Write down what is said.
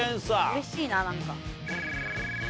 うれしいな何か。